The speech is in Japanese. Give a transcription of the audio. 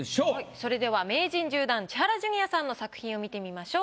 それでは名人１０段千原ジュニアさんの作品を見てみましょう。